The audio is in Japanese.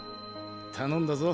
頼んだぞ。